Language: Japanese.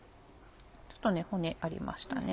ちょっと骨ありましたね。